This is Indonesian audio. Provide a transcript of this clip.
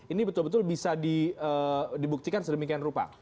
ini betul betul bisa dibuktikan sedemikian rupa